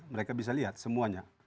mereka bisa lihat semuanya